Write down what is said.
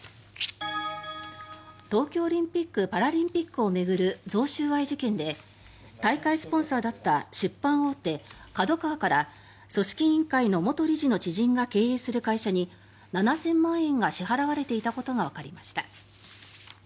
東京オリンピック・パラリンピックを巡る贈収賄事件で大会スポンサーだった出版大手ＫＡＤＯＫＡＷＡから組織委員会の元理事の知人が経営する会社に７０００万円が支払われていたことがわかりました。